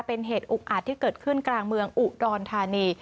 เป็นเหตุอุกอาจที่เกิดขึ้นกลางเมืองอุดรธานี